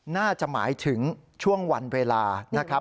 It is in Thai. น่าจะหมายถึงช่วงวันเวลานะครับ